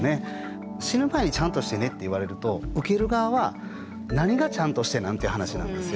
死ぬ前に「ちゃんとしてね」って言われると受ける側は何がちゃんとしてなん？っていう話なんですよ。